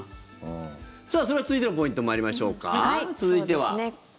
それでは続いてのポイント参りましょうか。